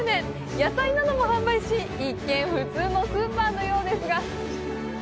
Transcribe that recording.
野菜なども販売し、一見、普通のスーパーのようですが。